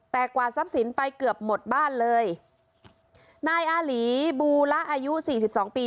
แต่กวาดทรัพย์สินไปเกือบหมดบ้านเลยนายอาหลีบูละอายุสี่สิบสองปี